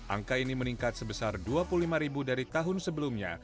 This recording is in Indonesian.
angka ini meningkat sebesar dua puluh lima ribu dari tahun sebelumnya